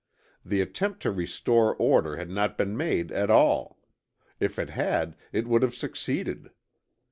The attempt to restore order had not been made at all; if it had, it would have succeeded.